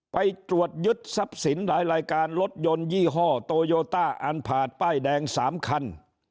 ไปตรวจยึดทรัพย์สินหลายรายการรถยนต์ยี่ห้อโตโยต้าอันผ่านป้ายแดง๓คัน